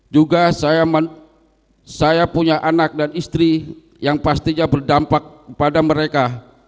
juga saya punya anak dan istri yang pastinya berdampak pada mereka